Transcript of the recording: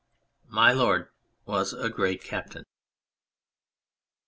My Lord was a great Captain.